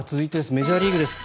メジャーリーグです。